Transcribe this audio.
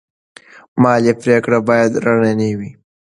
مالي پریکړې باید رڼې وي.